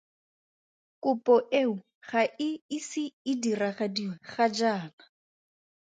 Kopo eo ga e ise e diragadiwe ga jaana.